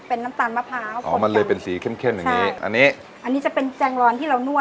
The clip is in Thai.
เป็นน้ำตาลมะพร้าวอ๋อมันเลยเป็นสีเข้มเข้มอย่างนี้อันนี้อันนี้จะเป็นแจงรอนที่เรานวด